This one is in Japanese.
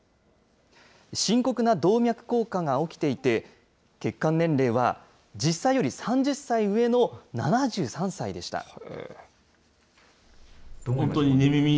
深刻な動脈硬化が起きていて、血管年齢は実際より３０歳上の７３歳でした。